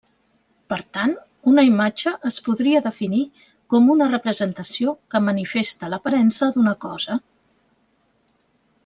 Per tant, una imatge es podria definir com una representació que manifesta l'aparença d'una cosa.